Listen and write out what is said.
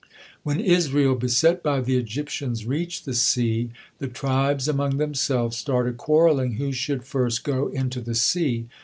When Israel, beset by the Egyptians, reached the sea, the tribes among themselves started quarreling who should first go into the sea.